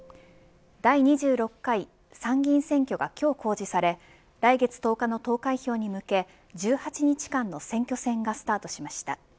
第２６回参議院選挙が今日公示され来月１０日の投開票に向け１８日間の選挙戦がスタートしました。